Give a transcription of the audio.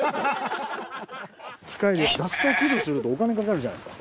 機械で雑草駆除するとお金かかるじゃないですか。